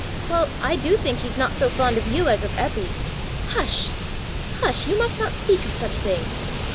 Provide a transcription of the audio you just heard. "Well, I do think he's not so fond of you as of Eppy!" "Hush! hush! you must not speak of such thing."